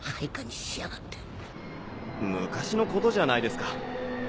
昔のことじゃないですか。